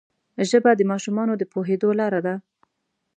ژبه د ماشومانو د پوهېدو لاره ده